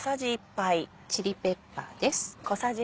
チリペッパーです。